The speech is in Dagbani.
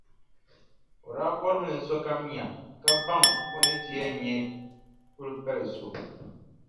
O daa bɔrimi ni sokam nya ka baŋ o ni ti yɛn nyɛ kulipalʼ so.